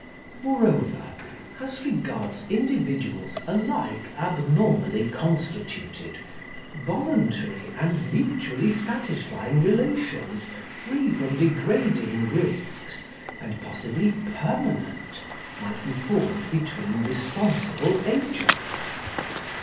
Moreover, as regards individuals alike abnormally constituted, voluntary and mutually satisfying relations, free from degrading risks, and possibly permanent, might be formed between responsible agents.